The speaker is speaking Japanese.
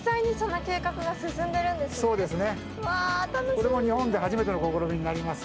これも日本で初めての試みになります。